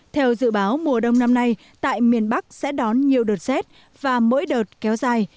theo dự báo mùa đông năm nay tại miền bắc sẽ đón nhiều đợt rét và mỗi đợt kéo dài